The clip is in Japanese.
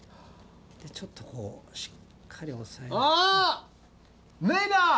でちょっとこうしっかり押さえて。